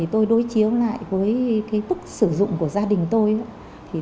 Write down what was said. tôi đối chiếu lại với mức sử dụng của gia đình tôi